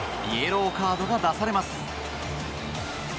イエローカードが出されます。